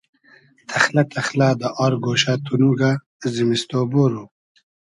تئخلۂ تئخلۂ دۂ آر گۉشۂ تونوگۂ زیمیستۉ بورو